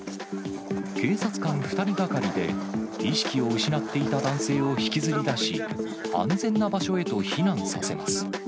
警察官２人がかりで意識を失っていた男性を引きずり出し、安全な場所へと避難させます。